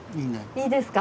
いいですか？